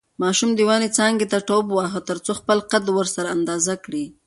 ماشوم د ونې څانګې ته ټوپ واهه ترڅو خپله قد ورسره اندازه کړي.